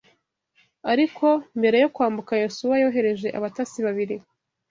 Ariko mbere yo kwambuka Yosuwa yohereje abatasi babiri.